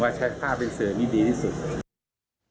ผมว่าใช้ผ้าเป็นเสือนี่ดีที่สุด